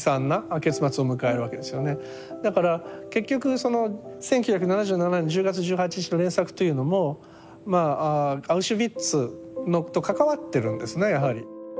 だから結局その「１９７７年１０月１８日」の連作というのもまあアウシュビッツと関わってるんですねやはり。